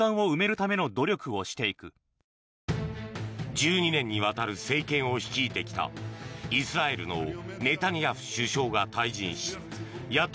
１２年にわたる政権を率いてきたイスラエルのネタニヤフ首相が退陣し野党